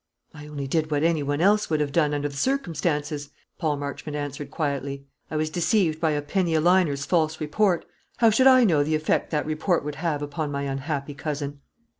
"I only did what any one else would have done under the circumstances," Paul Marchmont answered quietly. "I was deceived by a penny a liner's false report. How should I know the effect that report would have upon my unhappy cousin?"